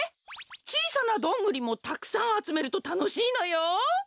ちいさなどんぐりもたくさんあつめるとたのしいのよ！